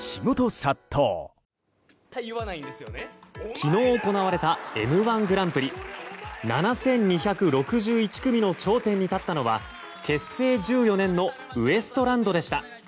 昨日行われた「Ｍ‐１グランプリ」７２６１組の頂点に立ったのは結成１４年のウエストランドでした。